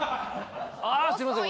ああすいません。